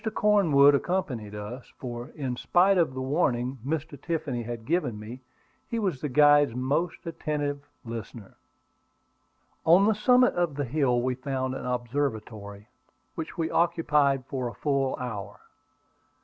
Cornwood accompanied us, for, in spite of the warning Mr. Tiffany had given me, he was the guide's most attentive listener. On the summit of the hill we found an observatory, which we occupied for a full hour.